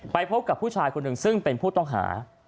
พบกับผู้ชายคนหนึ่งซึ่งเป็นผู้ต้องหา